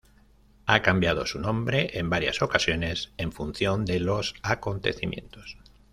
Ha cambiado su nombre en varias ocasiones en función de los acontecimientos.